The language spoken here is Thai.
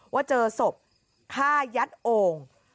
ว่าเจอศพฆ่ายัดโอ่ง